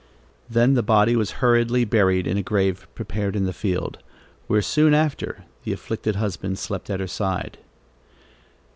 Then the body was hurriedly buried in a grave prepared in the field, where soon after the afflicted husband slept at her side.